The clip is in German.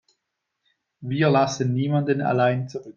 Wir lassen niemanden allein zurück.